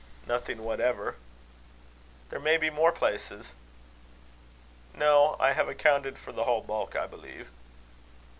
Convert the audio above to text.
"Nothing whatever." "There may be more places." "No. I have accounted for the whole bulk, I believe."